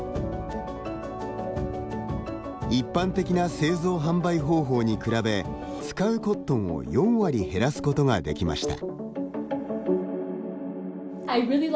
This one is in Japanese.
一般的な製造販売方法に比べ使うコットンを４割減らすことができました。